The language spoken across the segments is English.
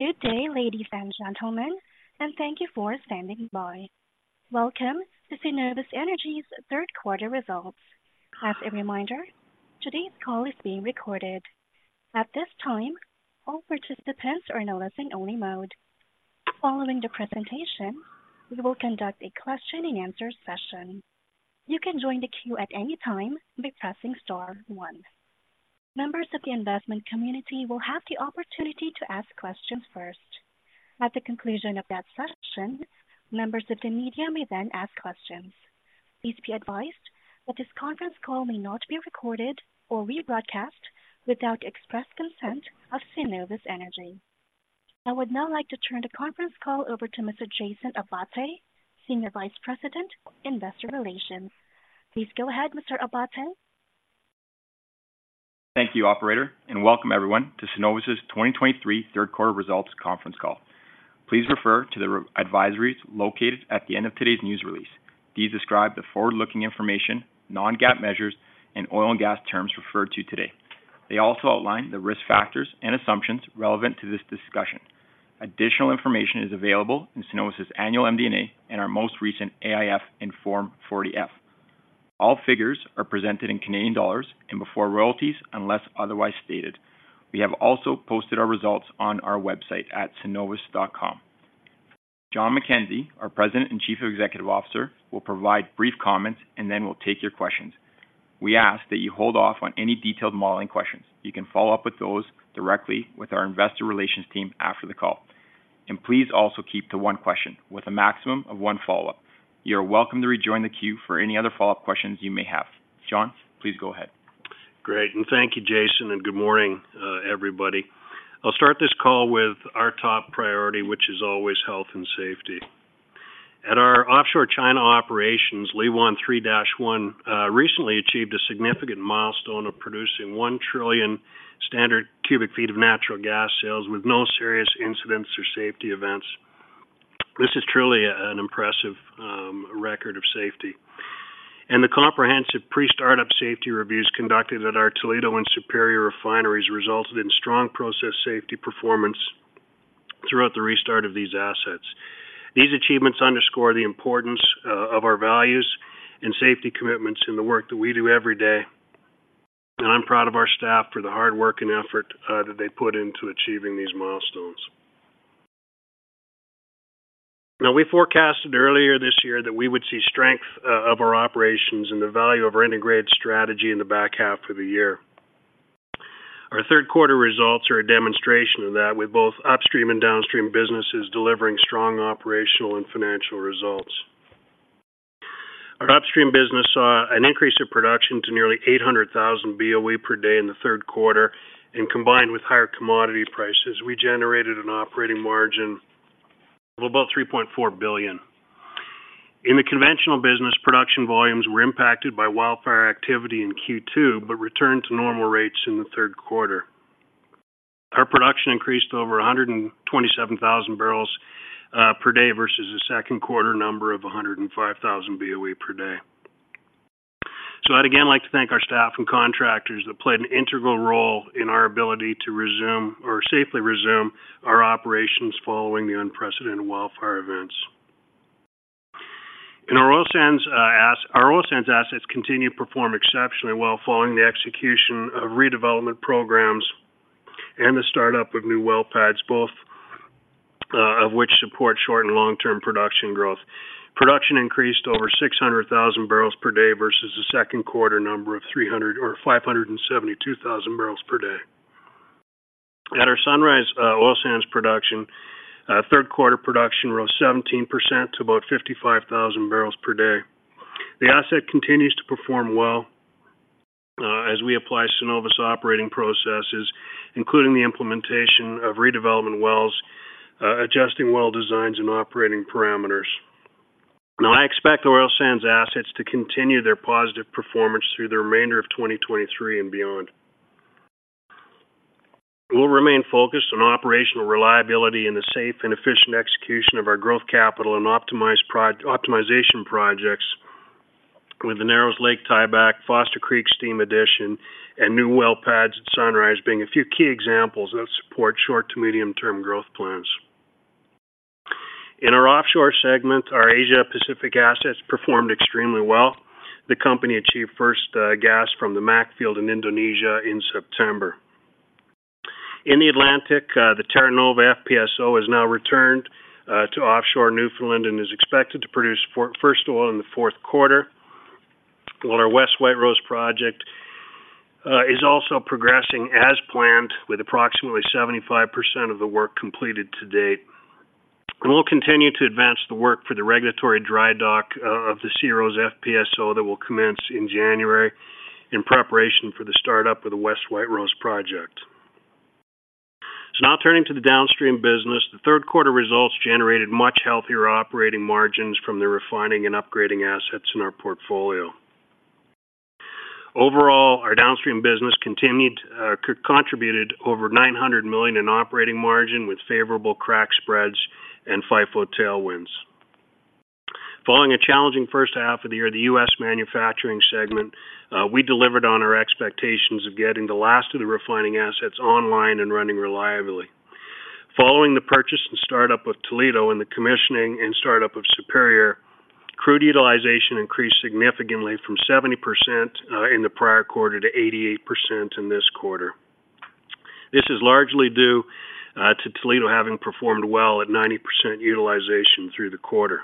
Good day, ladies and gentlemen, and thank you for standing by. Welcome to Cenovus Energy's third quarter results. As a reminder, today's call is being recorded. At this time, all participants are in a listen-only mode. Following the presentation, we will conduct a question-and-answer session. You can join the queue at any time by pressing star one. Members of the investment community will have the opportunity to ask questions first. At the conclusion of that session, members of the media may then ask questions. Please be advised that this conference call may not be recorded or rebroadcast without the express consent of Cenovus Energy. I would now like to turn the conference call over to Mr. Jason Abbate, Senior Vice President, Investor Relations. Please go ahead, Mr. Abbate. Thank you, operator, and welcome everyone to Cenovus's 2023 third quarter results conference call. Please refer to the risk advisories located at the end of today's news release. These describe the forward-looking information, non-GAAP measures, and oil and gas terms referred to today. They also outline the risk factors and assumptions relevant to this discussion. Additional information is available in Cenovus's annual MD&A and our most recent AIF and Form 40-F. All figures are presented in Canadian dollars and before royalties, unless otherwise stated. We have also posted our results on our website at cenovus.com. Jon McKenzie, our President and Chief Executive Officer, will provide brief comments, and then we'll take your questions. We ask that you hold off on any detailed modeling questions. You can follow up with those directly with our investor relations team after the call. Please also keep to one question with a maximum of one follow-up. You're welcome to rejoin the queue for any other follow-up questions you may have. Jon, please go ahead. Great. And thank you, Jason, and good morning, everybody. I'll start this call with our top priority, which is always health and safety. At our offshore China operations, Liwan 3-1, recently achieved a significant milestone of producing 1 trillion standard cubic feet of natural gas sales with no serious incidents or safety events. This is truly an impressive record of safety. And the comprehensive pre-startup safety reviews conducted at our Toledo and Superior refineries resulted in strong process safety performance throughout the restart of these assets. These achievements underscore the importance of our values and safety commitments in the work that we do every day. And I'm proud of our staff for the hard work and effort that they put into achieving these milestones. Now, we forecasted earlier this year that we would see strength of our operations and the value of our integrated strategy in the back half of the year. Our third quarter results are a demonstration of that, with both upstream and downstream businesses delivering strong operational and financial results. Our upstream business saw an increase of production to nearly 800,000 BOE per day in the third quarter, and combined with higher commodity prices, we generated an operating margin of about 3.4 billion. In the conventional business, production volumes were impacted by wildfire activity in Q2, but returned to normal rates in the third quarter. Our production increased to over 127,000 barrels per day versus the second quarter number of 105,000 BOE per day. So I'd again like to thank our staff and contractors that played an integral role in our ability to resume or safely resume our operations following the unprecedented wildfire events. In our oil sands, our oil sands assets continue to perform exceptionally well following the execution of redevelopment programs and the startup of new well pads, both of which support short- and long-term production growth. Production increased over 600,000 barrels per day versus the second quarter number of 305,000 barrels per day. At our Sunrise oil sands production, third quarter production rose 17% to about 55,000 barrels per day. The asset continues to perform well as we apply Cenovus operating processes, including the implementation of redevelopment wells, adjusting well designs and operating parameters. Now, I expect the oil sands assets to continue their positive performance through the remainder of 2023 and beyond. We'll remain focused on operational reliability and the safe and efficient execution of our growth capital and optimization projects, with the Narrows Lake tieback, Foster Creek steam addition, and new well pads at Sunrise being a few key examples that support short to medium-term growth plans. In our offshore segment, our Asia Pacific assets performed extremely well. The company achieved first gas from the MAC field in Indonesia in September. In the Atlantic, the Terra Nova FPSO has now returned to offshore Newfoundland and is expected to produce first oil in the fourth quarter, while our West White Rose project is also progressing as planned, with approximately 75% of the work completed to date. We'll continue to advance the work for the regulatory dry dock of the SeaRose FPSO that will commence in January in preparation for the startup of the West White Rose project. Now turning to the downstream business, the third quarter results generated much healthier operating margins from the refining and upgrading assets in our portfolio. Overall, our downstream business continued contributed over 900 million in operating margin with favorable crack spreads and FIFO tailwinds. Following a challenging first half of the year, the U.S. manufacturing segment, we delivered on our expectations of getting the last of the refining assets online and running reliably. Following the purchase and startup of Toledo and the commissioning and startup of Superior, crude utilization increased significantly from 70% in the prior quarter to 88% in this quarter. This is largely due to Toledo having performed well at 90% utilization through the quarter.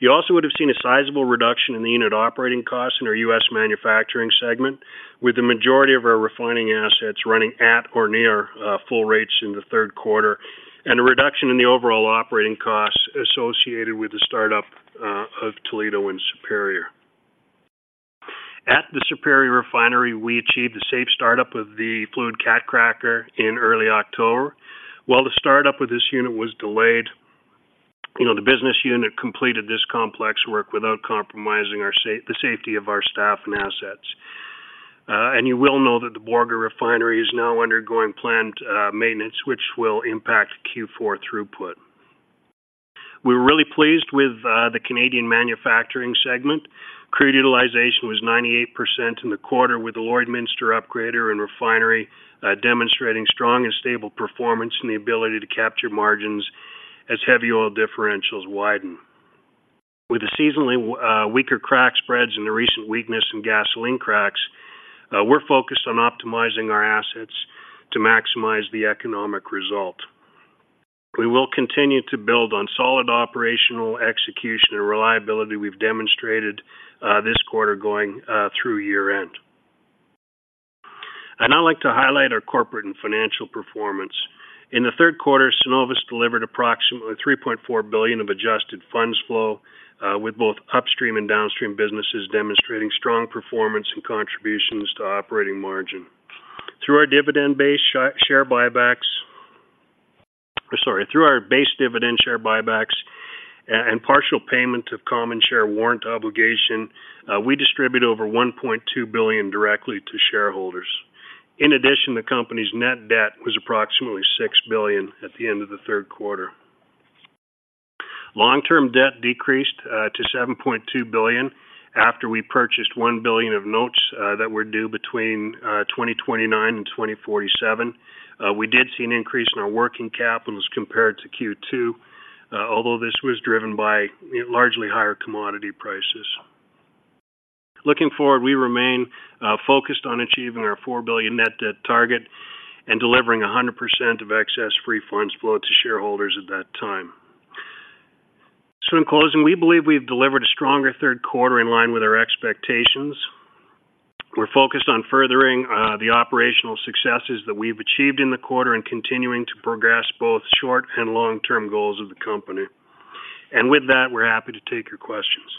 You also would have seen a sizable reduction in the unit operating costs in our U.S. manufacturing segment, with the majority of our refining assets running at or near full rates in the third quarter, and a reduction in the overall operating costs associated with the startup of Toledo and Superior. At the Superior Refinery, we achieved the safe startup of the fluid cat cracker in early October. While the startup of this unit was delayed, you know, the business unit completed this complex work without compromising the safety of our staff and assets. You will know that the Borger Refinery is now undergoing planned maintenance, which will impact Q4 throughput. We were really pleased with the Canadian manufacturing segment. Crude utilization was 98% in the quarter, with the Lloydminster Upgrader and Refinery demonstrating strong and stable performance and the ability to capture margins as heavy oil differentials widen. With the seasonally weaker crack spreads and the recent weakness in gasoline cracks, we're focused on optimizing our assets to maximize the economic result. We will continue to build on solid operational execution and reliability we've demonstrated this quarter going through year-end. I'd now like to highlight our corporate and financial performance. In the third quarter, Cenovus delivered approximately 3.4 billion of adjusted funds flow, with both upstream and downstream businesses demonstrating strong performance and contributions to operating margin. Through our base dividend share buybacks and partial payment of common share warrant obligation, we distributed over 1.2 billion directly to shareholders. In addition, the company's net debt was approximately 6 billion at the end of the third quarter. Long-term debt decreased to 7.2 billion after we purchased 1 billion of notes that were due between 2029 and 2047. We did see an increase in our working capitals compared to Q2, although this was driven by largely higher commodity prices. Looking forward, we remain focused on achieving our 4 billion net debt target and delivering 100% of excess free funds flow to shareholders at that time. So in closing, we believe we've delivered a stronger third quarter in line with our expectations. We're focused on furthering the operational successes that we've achieved in the quarter and continuing to progress both short- and long-term goals of the company. And with that, we're happy to take your questions.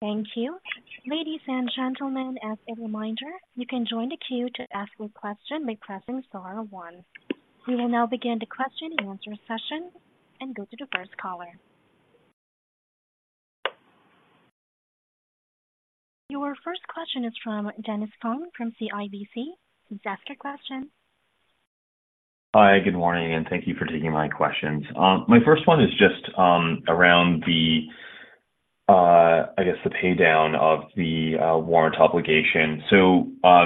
Thank you. Ladies and gentlemen, as a reminder, you can join the queue to ask a question by pressing star one. We will now begin the question and answer session and go to the first caller. Your first question is from Dennis Fong from CIBC. Please ask your question. Hi, good morning, and thank you for taking my questions. My first one is just around the, I guess, the paydown of the warrant obligation. So,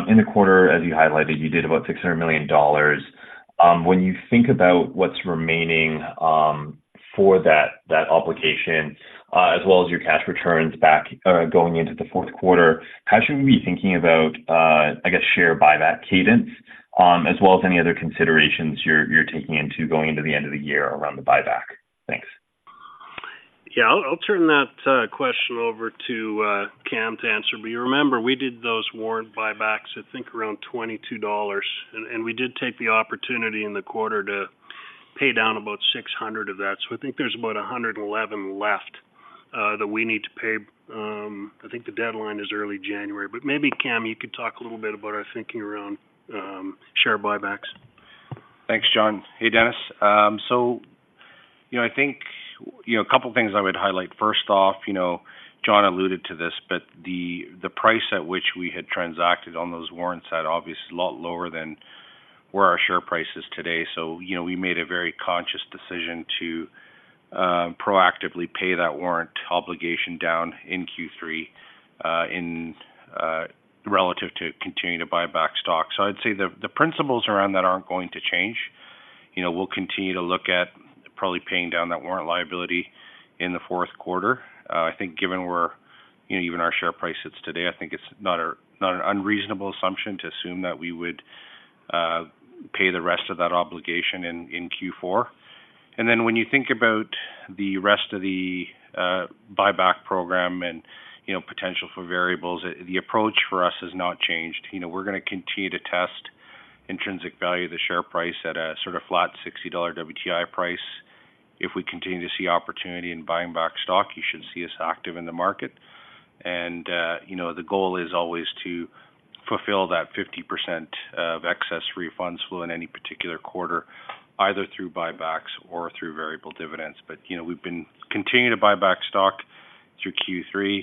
in the quarter, as you highlighted, you did about 600 million dollars. When you think about what's remaining for that, that obligation, as well as your cash returns back going into the fourth quarter, how should we be thinking about, I guess, share buyback cadence, as well as any other considerations you're taking into going into the end of the year around the buyback? Thanks. Yeah, I'll turn that question over to Kam to answer. You remember, we did those warrant buybacks, I think, around $22, and we did take the opportunity in the quarter to pay down about 600 million of that. I think there's about 111 million left that we need to pay. I think the deadline is early January. Maybe, Kam, you could talk a little bit about our thinking around share buybacks. Thanks, Jon. Hey, Dennis. So, you know, I think, you know, a couple of things I would highlight. First off, you know, Jon alluded to this, but the, the price at which we had transacted on those warrants at obviously a lot lower than where our share price is today. So, you know, we made a very conscious decision to proactively pay that warrant obligation down in Q3, relative to continuing to buy back stock. So I'd say the, the principles around that aren't going to change. You know, we'll continue to look at probably paying down that warrant liability in the fourth quarter. I think given where, you know, even our share price sits today, I think it's not a, not an unreasonable assumption to assume that we would pay the rest of that obligation in Q4. And then when you think about the rest of the buyback program and, you know, potential for variables, the approach for us has not changed. You know, we're going to continue to test intrinsic value of the share price at a sort of flat $60 WTI price. If we continue to see opportunity in buying back stock, you should see us active in the market. And, you know, the goal is always to fulfill that 50% of excess free funds flow in any particular quarter, either through buybacks or through variable dividends. But, you know, we've been continuing to buy back stock through Q3.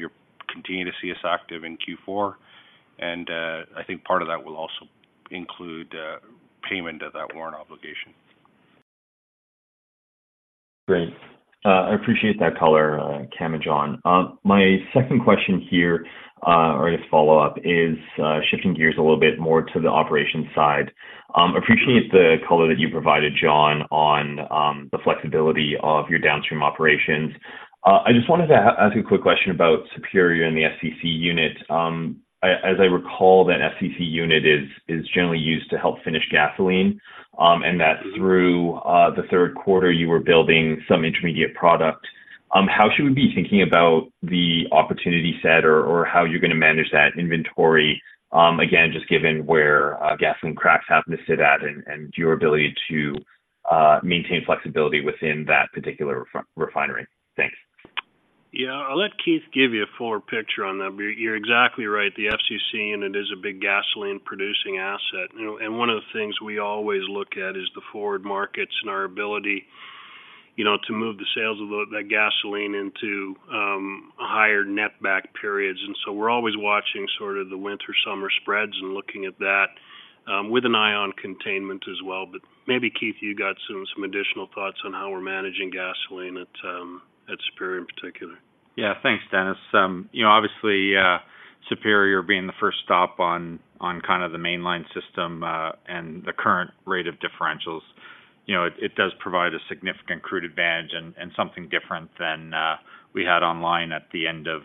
You're continuing to see us active in Q4, and I think part of that will also include payment of that warrant obligation. Great. I appreciate that color, Kam and Jon. My second question here, or I guess follow-up, is shifting gears a little bit more to the operations side. Appreciate the color that you provided, Jon, on the flexibility of your downstream operations. I just wanted to ask a quick question about Superior and the FCC unit. As I recall, that FCC unit is generally used to help finish gasoline, and that through the third quarter, you were building some intermediate product. How should we be thinking about the opportunity set or how you're going to manage that inventory? Again, just given where gasoline cracks happen to sit at and your ability to maintain flexibility within that particular refinery. Thanks. Yeah. I'll let Keith give you a fuller picture on that. But you're exactly right, the FCC unit is a big gasoline-producing asset. You know, and one of the things we always look at is the forward markets and our ability, you know, to move the sales of the gasoline into higher netback periods. And so we're always watching sort of the winter/summer spreads and looking at that with an eye on containment as well. But maybe, Keith, you got some additional thoughts on how we're managing gasoline at Superior in particular. Yeah. Thanks, Dennis. You know, obviously, Superior being the first stop on kind of the mainline system, and the current rate of differentials, you know, it does provide a significant crude advantage and something different than we had online at the end of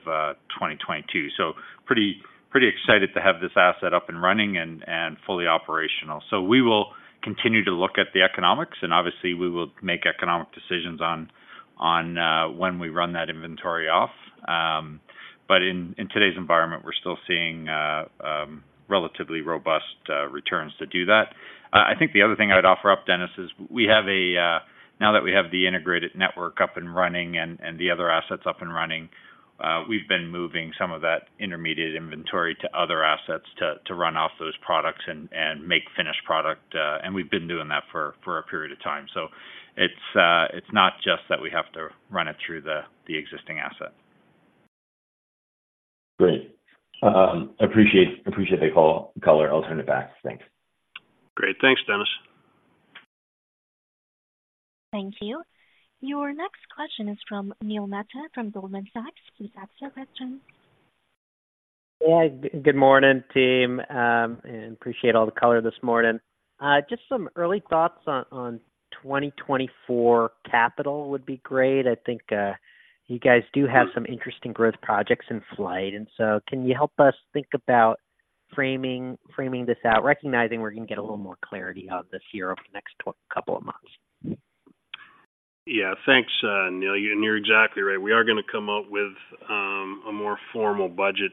2022. So pretty excited to have this asset up and running and fully operational. So we will continue to look at the economics, and obviously, we will make economic decisions on when we run that inventory off. But in today's environment, we're still seeing relatively robust returns to do that. I think the other thing I'd offer up, Dennis, is we have a, now that we have the integrated network up and running and, and the other assets up and running, we've been moving some of that intermediate inventory to other assets to, to run off those products and, and make finished product, and we've been doing that for, for a period of time. So it's, it's not just that we have to run it through the, the existing asset. Great. Appreciate the color. I'll turn it back. Thanks. Great. Thanks, Dennis. Thank you. Your next question is from Neil Mehta from Goldman Sachs. Please ask your question. Yeah, good morning, team, and appreciate all the color this morning. Just some early thoughts on, on 2024 capital would be great. I think, you guys do have some interesting growth projects in flight, and so can you help us think about framing, framing this out, recognizing we're going to get a little more clarity out this year, over the next couple of months? Yeah, thanks, Neil, and you're exactly right. We are going to come out with a more formal budget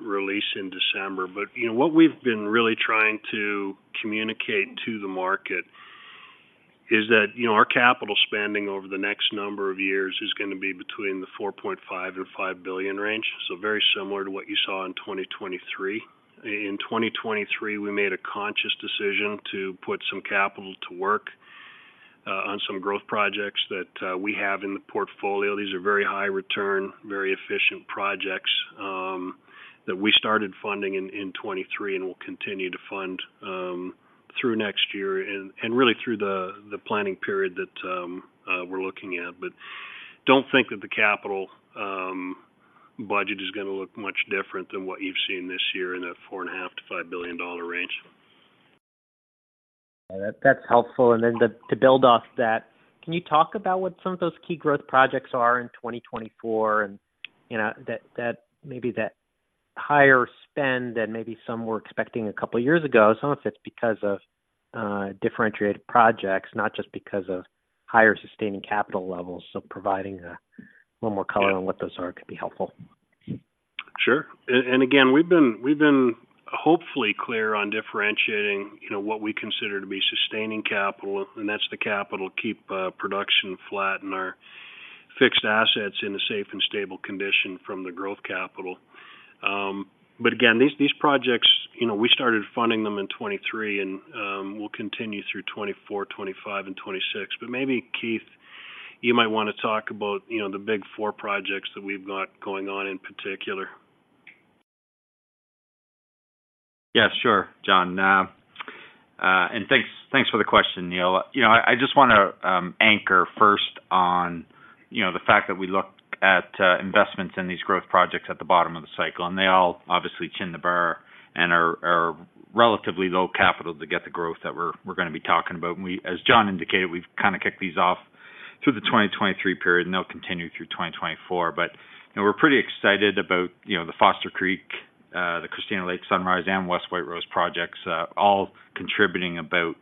release in December. But, you know, what we've been really trying to communicate to the market is that, you know, our capital spending over the next number of years is going to be between 4.5 billion and 5 billion range. So very similar to what you saw in 2023. In 2023, we made a conscious decision to put some capital to work on some growth projects that we have in the portfolio. These are very high return, very efficient projects that we started funding in 2023, and we'll continue to fund through next year and really through the planning period that we're looking at. Don't think that the capital budget is going to look much different than what you've seen this year in the 4.5 billion-5 billion dollar range. That, that's helpful. And then to build off that, can you talk about what some of those key growth projects are in 2024? And, you know, that maybe that higher spend than maybe some were expecting a couple of years ago, some of it's because of differentiated projects, not just because of higher sustaining capital levels. So providing a little more color- Yeah. on what those are could be helpful. Sure. And again, we've been hopefully clear on differentiating, you know, what we consider to be sustaining capital, and that's the capital to keep production flat and our fixed assets in a safe and stable condition from the growth capital. But again, these projects, you know, we started funding them in 2023, and we'll continue through 2024, 2025 and 2026. But maybe, Keith, you might want to talk about, you know, the big four projects that we've got going on in particular. Yeah, sure, Jon. And thanks, thanks for the question, Neil. You know, I just want to anchor first on, you know, the fact that we looked at investments in these growth projects at the bottom of the cycle, and they all obviously clear the bar and are relatively low capital to get the growth that we're going to be talking about. And we—as Jon indicated, we've kind of kicked these off through the 2023 period, and they'll continue through 2024. But, you know, we're pretty excited about, you know, the Foster Creek, the Christina Lake Sunrise and West White Rose projects, all contributing about,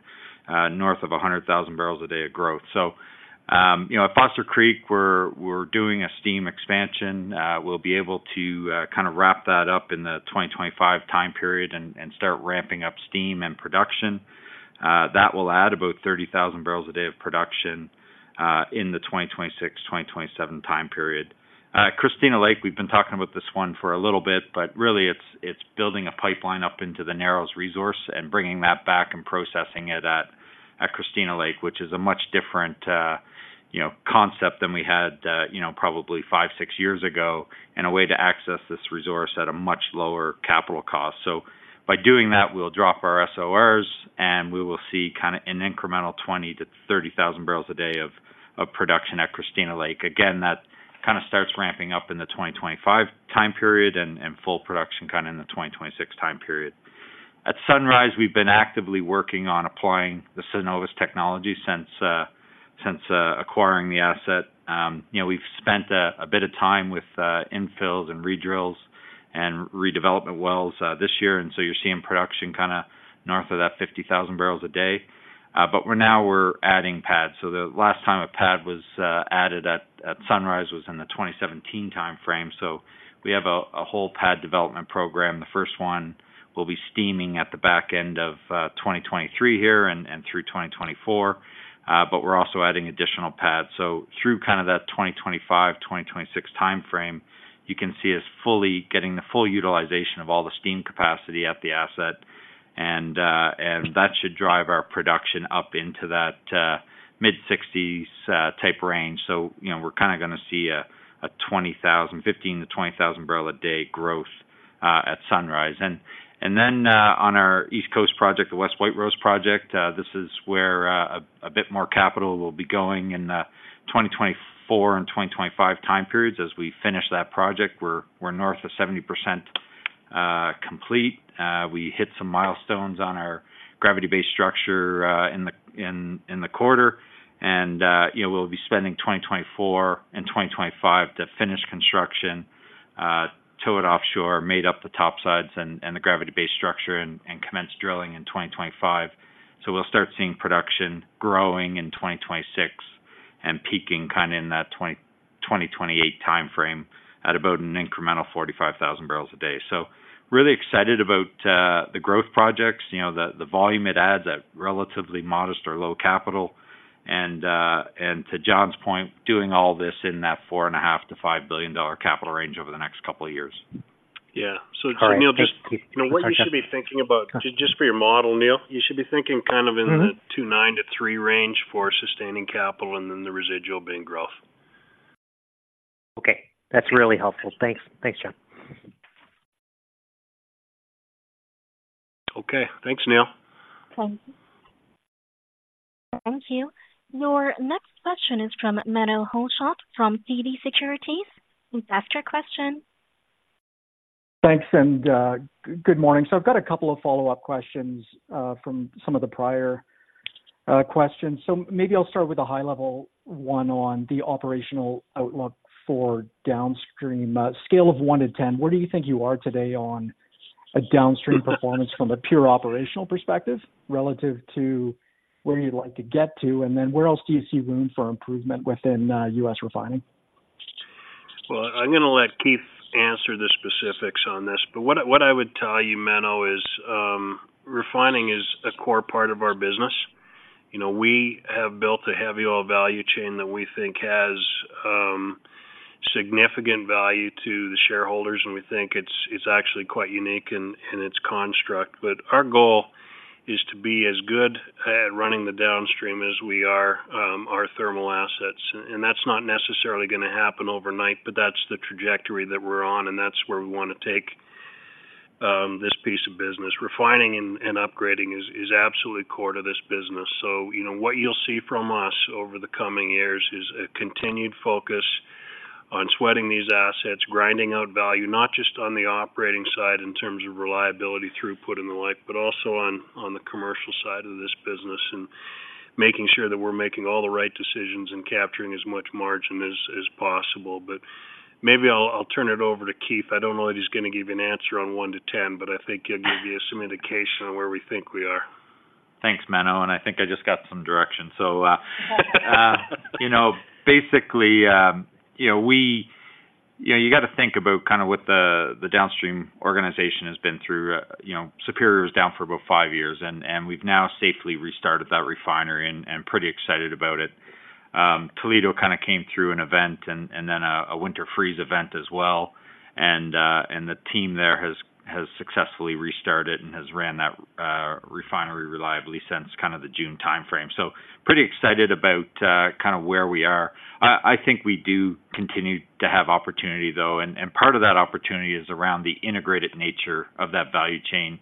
north of 100,000 barrels a day of growth. So, you know, at Foster Creek, we're doing a steam expansion. We'll be able to kind of wrap that up in the 2025 time period and start ramping up steam and production. That will add about 30,000 barrels a day of production in the 2026-2027 time period. Christina Lake, we've been talking about this one for a little bit, but really it's building a pipeline up into the Narrows resource and bringing that back and processing it at Christina Lake, which is a much different, you know, concept than we had, you know, probably five, six years ago, and a way to access this resource at a much lower capital cost. So by doing that, we'll drop our SORs, and we will see kinda an incremental 20,000-30,000 barrels a day of production at Christina Lake. Again, that kind of starts ramping up in the 2025 time period and full production kind of in the 2026 time period. At Sunrise, we've been actively working on applying the Cenovus technology since acquiring the asset. You know, we've spent a bit of time with infills and redrills and redevelopment wells this year, and so you're seeing production kinda north of that 50,000 barrels a day. But now we're adding pads. So the last time a pad was added at Sunrise was in the 2017 time frame. So we have a whole pad development program. The first one will be steaming at the back end of 2023 here and through 2024, but we're also adding additional pads. Through kind of that 2025, 2026 time frame, you can see us fully getting the full utilization of all the steam capacity at the asset, and that should drive our production up into that mid-60s type range. You know, we're kinda gonna see a 15,000-20,000 barrel a day growth at Sunrise. And then, on our East Coast project, the West White Rose project, this is where a bit more capital will be going in, 2024 and 2025 time periods as we finish that project. We're north of 70% complete. We hit some milestones on our gravity-based structure in the quarter, and you know, we'll be spending 2024 and 2025 to finish construction, tow it offshore, make up the topsides and the gravity-based structure and commence drilling in 2025. So we'll start seeing production growing in 2026 and peaking kinda in that 2028 time frame at about an incremental 45,000 barrels a day. So really excited about the growth projects, you know, the volume it adds at relatively modest or low capital. And to Jon's point, doing all this in that 4.5 billion-5 billion dollar capital range over the next couple of years. Yeah. So, Neil, just- All right, thank you. You know what you should be thinking about, just for your model, Neil, you should be thinking kind of in the 2.9-3 range for sustaining capital and then the residual being growth. Okay. That's really helpful. Thanks. Thanks, Jon. Okay. Thanks, Neil. Thank you. Your next question is from Menno Hulshof, from TD Securities. You can ask your question. Thanks, and good morning. So I've got a couple of follow-up questions from some of the prior questions. So maybe I'll start with a high-level one on the operational outlook for downstream. Scale of 1 to 10, where do you think you are today on a downstream performance from a pure operational perspective relative to where you'd like to get to? And then where else do you see room for improvement within U.S. refining? Well, I'm gonna let Keith answer the specifics on this. But what I, what I would tell you, Menno, is, refining is a core part of our business. You know, we have built a heavy oil value chain that we think has significant value to the shareholders, and we think it's, it's actually quite unique in, in its construct. But our goal is to be as good at running the downstream as we are our thermal assets, and that's not necessarily gonna happen overnight, but that's the trajectory that we're on, and that's where we wanna take this piece of business. Refining and, and upgrading is, is absolutely core to this business. So, you know, what you'll see from us over the coming years is a continued focus on sweating these assets, grinding out value, not just on the operating side in terms of reliability, throughput, and the like, but also on, on the commercial side of this business, and making sure that we're making all the right decisions and capturing as much margin as, as possible. But maybe I'll, I'll turn it over to Keith. I don't know that he's gonna give you an answer on 1 to 10, but I think he'll give you some indication of where we think we are. Thanks, Menno, and I think I just got some direction. So, you know, basically, you know, you got to think about kind of what the downstream organization has been through. You know, Superior was down for about five years, and we've now safely restarted that refinery and pretty excited about it. Toledo kind of came through an event and then a winter freeze event as well. And the team there has successfully restarted and has ran that refinery reliably since kind of the June time frame. So pretty excited about kind of where we are. I think we do continue to have opportunity, though, and part of that opportunity is around the integrated nature of that value chain.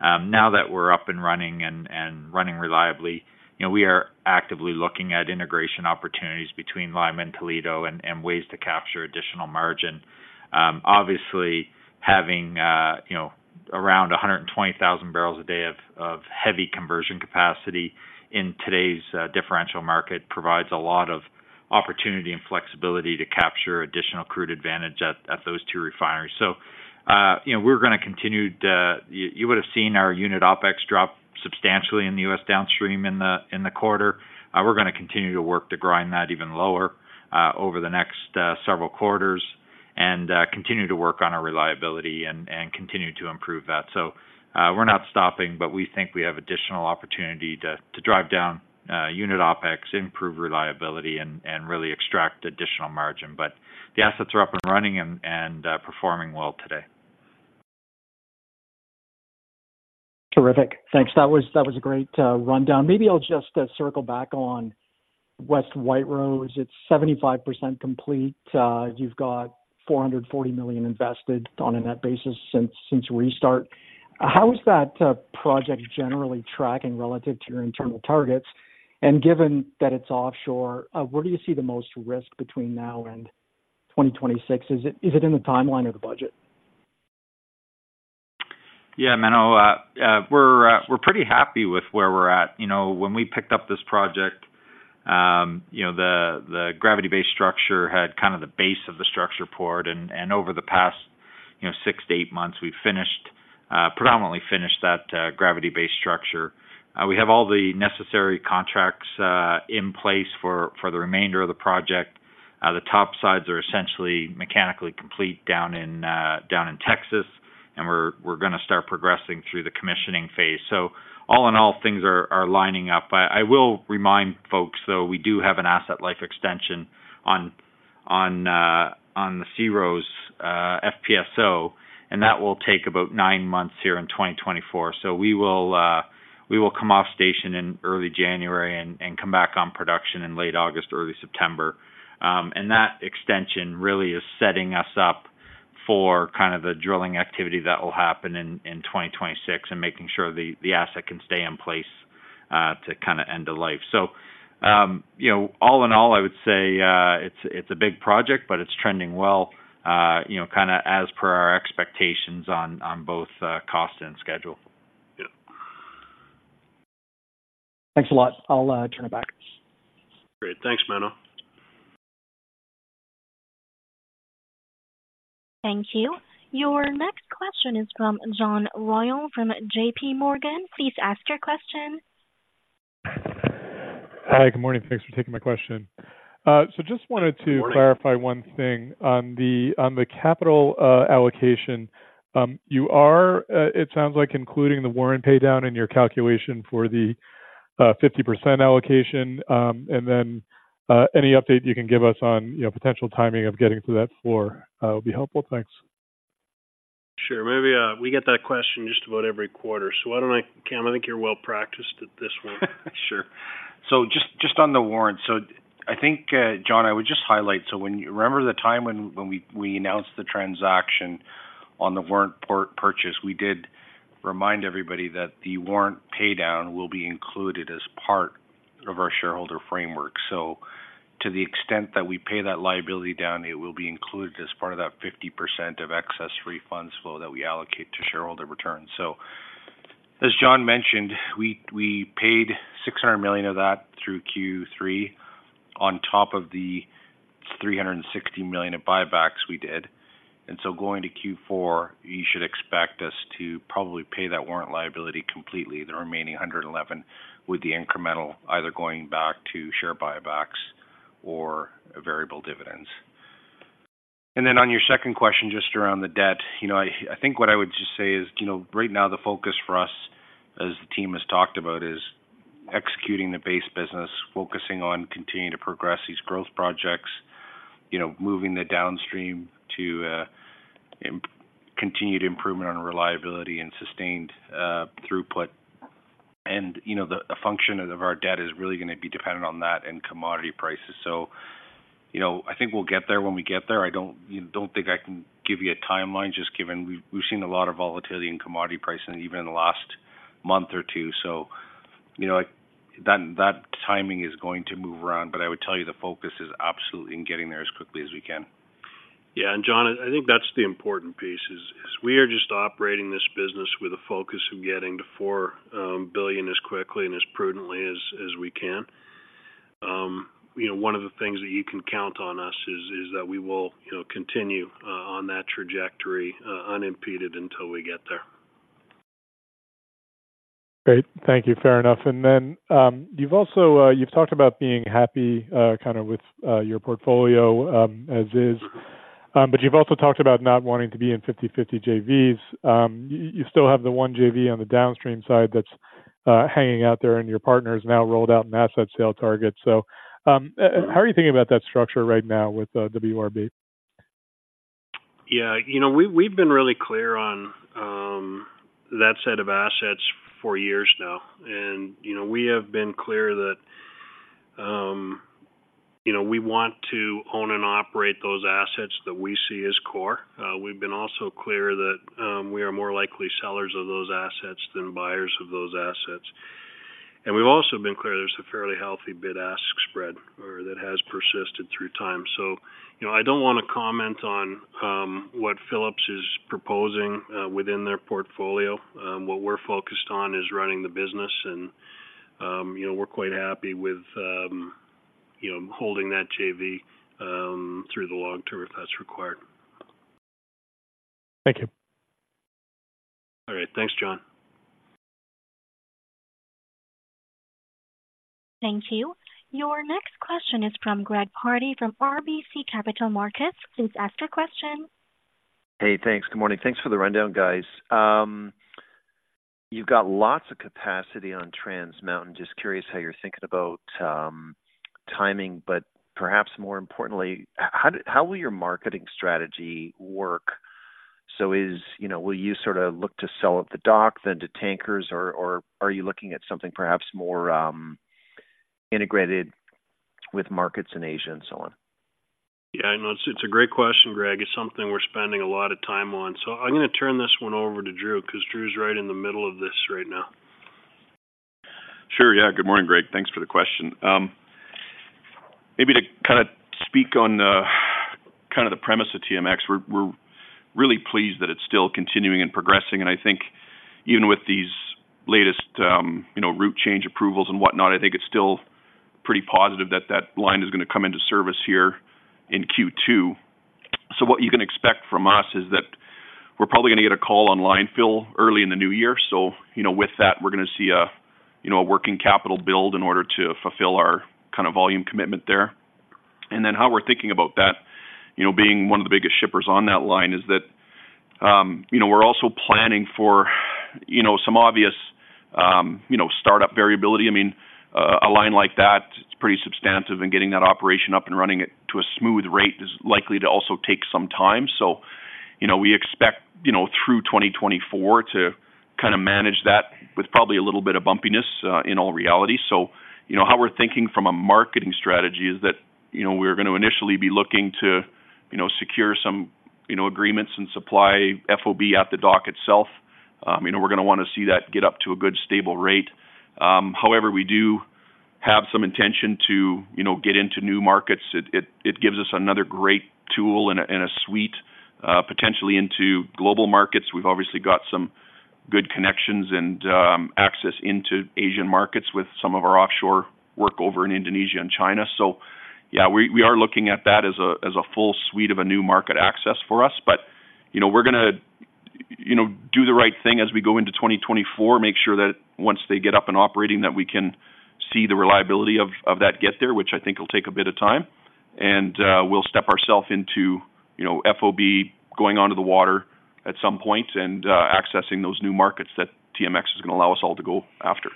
Now that we're up and running and running reliably, you know, we are actively looking at integration opportunities between Lima and Toledo and ways to capture additional margin. Obviously, having, you know, around 120,000 barrels a day of heavy conversion capacity in today's differential market provides a lot of opportunity and flexibility to capture additional crude advantage at those two refineries. So, you know, you would have seen our unit OpEx drop substantially in the U.S. downstream in the quarter. We're gonna continue to work to grind that even lower over the next several quarters and continue to work on our reliability and continue to improve that. So, we're not stopping, but we think we have additional opportunity to drive down unit OpEx, improve reliability, and really extract additional margin. But the assets are up and running and performing well today. Terrific. Thanks. That was, that was a great rundown. Maybe I'll just circle back on West White Rose. It's 75% complete. You've got 440 million invested on a net basis since, since restart. How is that project generally tracking relative to your internal targets? And given that it's offshore, where do you see the most risk between now and 2026? Is it, is it in the timeline or the budget? Yeah, Menno, we're pretty happy with where we're at. You know, when we picked up this project, you know, the gravity-based structure had kind of the base of the structure poured, and over the past, you know, 6-8 months, we've finished predominantly finished that gravity-based structure. We have all the necessary contracts in place for the remainder of the project. The topsides are essentially mechanically complete down in Texas, and we're gonna start progressing through the commissioning phase. So all in all, things are lining up. I will remind folks, though, we do have an asset life extension on the Sea Rose FPSO, and that will take about 9 months here in 2024. So we will come off station in early January and come back on production in late August or early September. And that extension really is setting us up for kind of the drilling activity that will happen in 2026, and making sure the asset can stay in place to kind of end of life. So, you know, all in all, I would say, it's a big project, but it's trending well, you know, kind of as per our expectations on both cost and schedule. Yeah. Thanks a lot. I'll turn it back. Great. Thanks, Menno. Thank you. Your next question is from John Royall from JP Morgan. Please ask your question. Hi, good morning. Thanks for taking my question. So just wanted to- Good morning. Clarify one thing on the capital allocation. It sounds like you are including the warrant paydown in your calculation for the 50% allocation. And then, any update you can give us on, you know, potential timing of getting to that floor would be helpful. Thanks. Sure. Maybe, we get that question just about every quarter, so why don't I-- Kam, I think you're well-practiced at this one. Sure. So just on the warrant. So I think, John, I would just highlight, so when you remember the time when we announced the transaction on the warrant purchase, we did remind everybody that the warrant paydown will be included as part of our shareholder framework. So to the extent that we pay that liability down, it will be included as part of that 50% of excess free funds flow that we allocate to shareholder returns. So as John mentioned, we paid 600 million of that through Q3 on top of the 360 million in buybacks we did. And so going to Q4, you should expect us to probably pay that warrant liability completely, the remaining 111 million, with the incremental either going back to share buybacks or variable dividends. And then on your second question, just around the debt, you know, I think what I would just say is, you know, right now the focus for us, as the team has talked about, is executing the base business, focusing on continuing to progress these growth projects, you know, moving the downstream to continued improvement on reliability and sustained throughput. And, you know, the function of our debt is really gonna be dependent on that and commodity prices. So, you know, I think we'll get there when we get there. I don't, you know, think I can give you a timeline, just given we've seen a lot of volatility in commodity pricing even in the last month or two. So, you know, the timing is going to move around, but I would tell you the focus is absolutely in getting there as quickly as we can. Yeah, and John, I think that's the important piece, we are just operating this business with a focus of getting to 4 billion as quickly and as prudently as we can. You know, one of the things that you can count on us is that we will, you know, continue on that trajectory unimpeded until we get there. Great. Thank you. Fair enough. And then, you've also, you've talked about being happy, kind of with, your portfolio, as is, but you've also talked about not wanting to be in 50/50 JVs. You still have the one JV on the downstream side that's hanging out there, and your partner has now rolled out an asset sale target. So, how are you thinking about that structure right now with WRB? Yeah, you know, we, we've been really clear on that set of assets for years now. And, you know, we have been clear that, you know, we want to own and operate those assets that we see as core. We've been also clear that we are more likely sellers of those assets than buyers of those assets. And we've also been clear there's a fairly healthy bid-ask spread that has persisted through time. So, you know, I don't want to comment on what Phillips is proposing within their portfolio. What we're focused on is running the business and, you know, we're quite happy with, you know, holding that JV through the long term, if that's required. Thank you. All right. Thanks, John. Thank you. Your next question is from Greg Pardy from RBC Capital Markets. Please ask your question. Hey, thanks. Good morning. Thanks for the rundown, guys. You've got lots of capacity on Trans Mountain. Just curious how you're thinking about, timing, but perhaps more importantly, how will your marketing strategy work? So, you know, will you sort of look to sell at the dock, then to tankers, or, or are you looking at something perhaps more, integrated with markets in Asia and so on? Yeah, I know it's, it's a great question, Greg. It's something we're spending a lot of time on. So I'm gonna turn this one over to Drew, 'cause Drew's right in the middle of this right now. Sure. Yeah. Good morning, Greg. Thanks for the question. Maybe to kind of speak on kind of the premise of TMX, we're, we're really pleased that it's still continuing and progressing, and I think even with these latest, you know, route change approvals and whatnot, I think it's still pretty positive that that line is gonna come into service here in Q2. So what you can expect from us is that we're probably gonna get a call on line fill early in the new year. So, you know, with that, we're gonna see a, you know, a working capital build in order to fulfill our kind of volume commitment there. And then how we're thinking about that, you know, being one of the biggest shippers on that line, is that, you know, we're also planning for, you know, some obvious, you know, startup variability. I mean, a line like that, it's pretty substantive, and getting that operation up and running it to a smooth rate is likely to also take some time. So, you know, we expect, you know, through 2024 to kind of manage that with probably a little bit of bumpiness, in all reality. So, you know, how we're thinking from a marketing strategy is that, you know, we're gonna initially be looking to, you know, secure some, you know, agreements and supply FOB at the dock itself. You know, we're gonna wanna see that get up to a good, stable rate. However, we do have some intention to, you know, get into new markets. It gives us another great tool and a, and a suite, potentially into global markets. We've obviously got some good connections and access into Asian markets with some of our offshore work over in Indonesia and China. So yeah, we are looking at that as a full suite of a new market access for us. But, you know, we're gonna, you know, do the right thing as we go into 2024, make sure that once they get up and operating, that we can see the reliability of that get there, which I think will take a bit of time. And we'll step ourself into, you know, FOB, going onto the water at some point and accessing those new markets that TMX is gonna allow us all to go after.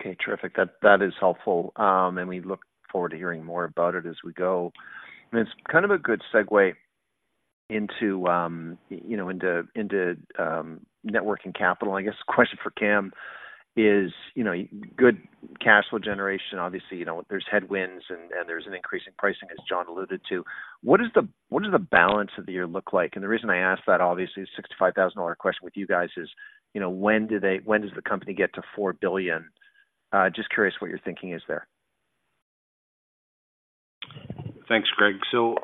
Okay, terrific. That is helpful, and we look forward to hearing more about it as we go. And it's kind of a good segue into, you know, net working capital. I guess question for Kam is, you know, good cash flow generation, obviously, you know, there's headwinds and there's an increase in pricing, as John alluded to. What is the—What does the balance of the year look like? And the reason I ask that obviously is $65,000 question with you guys is, you know, when does the company get to 4 billion? Just curious what your thinking is there. Thanks, Greg. So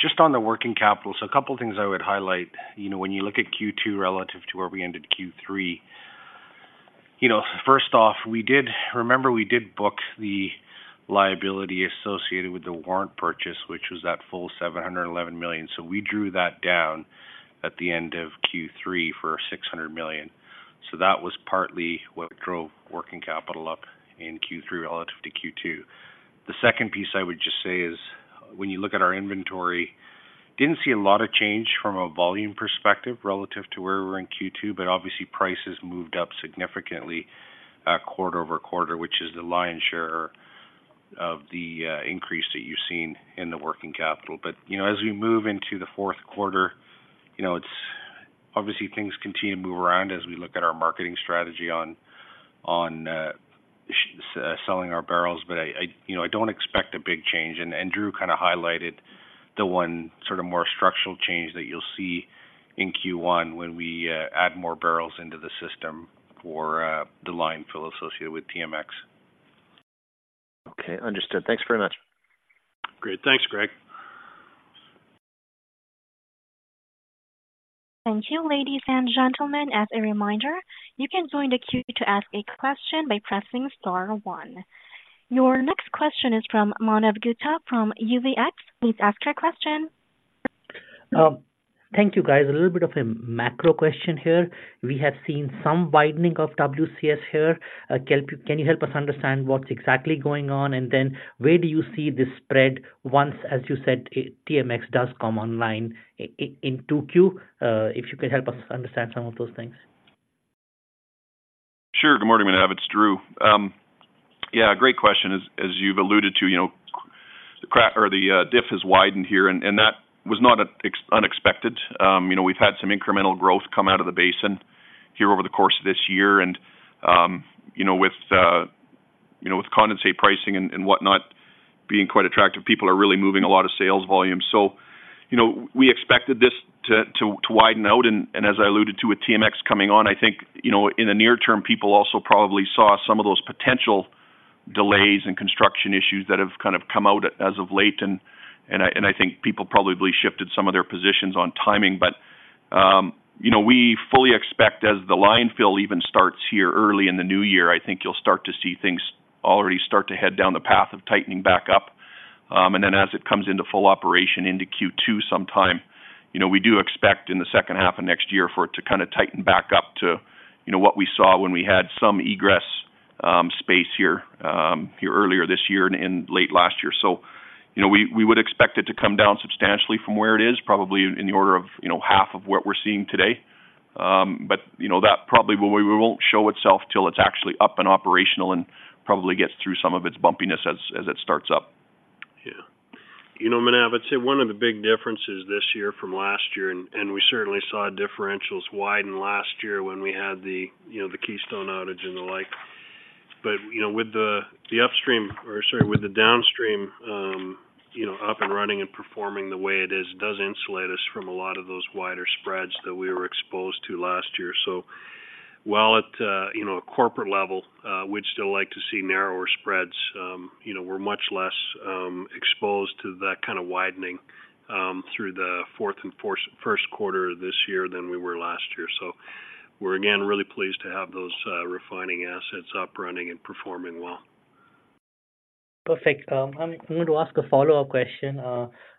just on the working capital, so a couple of things I would highlight. You know, when you look at Q2 relative to where we ended Q3, you know, first off, we did. Remember we did book the liability associated with the warrant purchase, which was that full 711 million. So we drew that down at the end of Q3 for 600 million. So that was partly what drove working capital up in Q3 relative to Q2. The second piece I would just say is, when you look at our inventory, didn't see a lot of change from a volume perspective relative to where we were in Q2, but obviously, prices moved up significantly, quarter-over-quarter, which is the lion's share of the increase that you've seen in the working capital. But, you know, as we move into the fourth quarter, you know, it's obviously things continue to move around as we look at our marketing strategy on selling our barrels. But, you know, I don't expect a big change, and Drew kind of highlighted the one sort of more structural change that you'll see in Q1 when we add more barrels into the system for the line fill associated with TMX. Okay, understood. Thanks very much. Great. Thanks, Greg. Thank you, ladies and gentlemen. As a reminder, you can join the queue to ask a question by pressing star one. Your next question is from Manav Gupta from UBS. Please ask your question. Thank you, guys. A little bit of a macro question here. We have seen some widening of WCS here. Can you help us understand what's exactly going on? And then where do you see this spread once, as you said, TMX does come online in 2Q? If you can help us understand some of those things. Sure. Good morning, Manav, it's Drew. Yeah, great question. As you've alluded to, you know, the crack or the diff has widened here, and that was not unexpected. You know, we've had some incremental growth come out of the basin here over the course of this year, and, you know, with you know, with condensate pricing and whatnot being quite attractive, people are really moving a lot of sales volume. So, you know, we expected this to widen out, and as I alluded to, with TMX coming on, I think, you know, in the near term, people also probably saw some of those potential delays and construction issues that have kind of come out as of late. I think people probably shifted some of their positions on timing, but, you know, we fully expect as the line fill even starts here early in the new year, I think you'll start to see things already start to head down the path of tightening back up. And then as it comes into full operation into Q2 sometime, you know, we do expect in the second half of next year for it to kind of tighten back up to, you know, what we saw when we had some egress space here earlier this year and late last year. So, you know, we would expect it to come down substantially from where it is, probably in the order of, you know, half of what we're seeing today. But, you know, that probably won't show itself till it's actually up and operational and probably gets through some of its bumpiness as it starts up. Yeah. You know, Manav, I'd say one of the big differences this year from last year, and we certainly saw differentials widen last year when we had the, you know, the Keystone outage and the like. But, you know, with the upstream, or sorry, with the downstream, you know, up and running and performing the way it is, does insulate us from a lot of those wider spreads that we were exposed to last year. So while at, you know, a corporate level, we'd still like to see narrower spreads, you know, we're much less exposed to that kind of widening through the fourth and first quarter of this year than we were last year. So we're again, really pleased to have those refining assets up, running, and performing well. Perfect. I'm going to ask a follow-up question.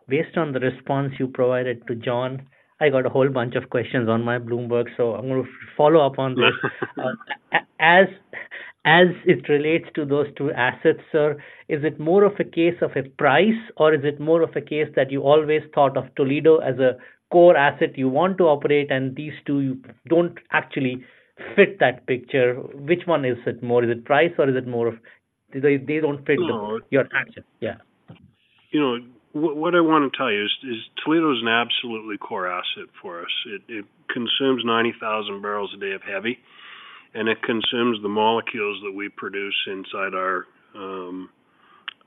Based on the response you provided to John, I got a whole bunch of questions on my Bloomberg, so I'm going to follow up on this. As it relates to those two assets, sir, is it more of a case of a price, or is it more of a case that you always thought of Toledo as a core asset you want to operate and these two don't actually fit that picture? Which one is it more, is it price or is it more of they, they don't fit- No. Your action? Yeah. You know, what I want to tell you is Toledo is an absolutely core asset for us. It consumes 90,000 barrels a day of heavy, and it consumes the molecules that we produce inside our upstream.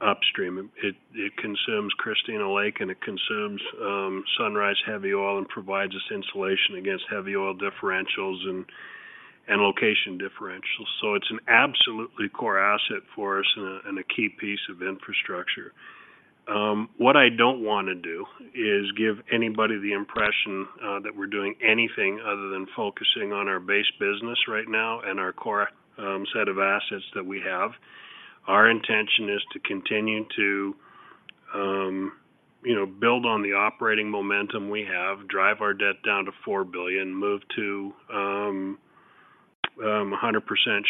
It consumes Christina Lake, and it consumes Sunrise heavy oil and provides us insulation against heavy oil differentials and location differentials. So it's an absolutely core asset for us and a key piece of infrastructure. What I don't want to do is give anybody the impression that we're doing anything other than focusing on our base business right now and our core set of assets that we have. Our intention is to continue to, you know, build on the operating momentum we have, drive our debt down to 4 billion, move to 100%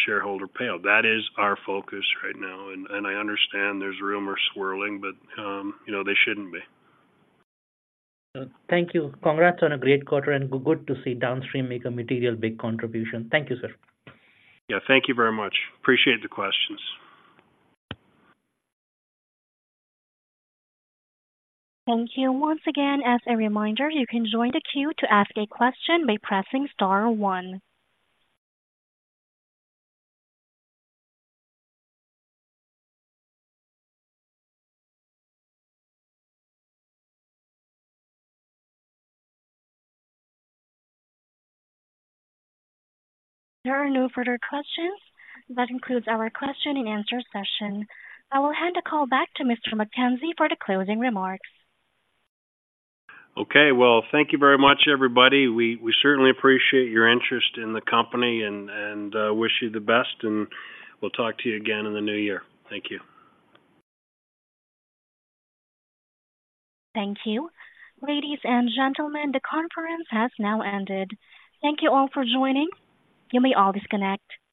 shareholder payout. That is our focus right now. And I understand there's rumors swirling, but, you know, they shouldn't be. Thank you. Congrats on a great quarter, and good to see downstream make a material big contribution. Thank you, sir. Yeah, thank you very much. Appreciate the questions. Thank you. Once again, as a reminder, you can join the queue to ask a question by pressing star one. There are no further questions. That concludes our question and answer session. I will hand the call back to Mr. McKenzie for the closing remarks. Okay. Well, thank you very much, everybody. We certainly appreciate your interest in the company and wish you the best, and we'll talk to you again in the new year. Thank you. Thank you. Ladies and gentlemen, the conference has now ended. Thank you all for joining. You may all disconnect.